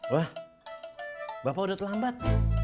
wah bapak udah terlambat